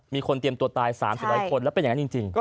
มีคนเตรียมตัวตาย๓๐๐คนแล้วเป็นอย่างนั้นจริง